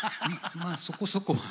まあそこそこは。